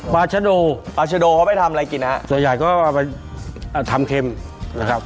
ราชโดปลาชโดเขาไปทำอะไรกินฮะส่วนใหญ่ก็เอาไปทำเค็มนะครับ